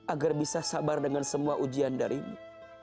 agar bisa sabar dengan semua ujian dari mu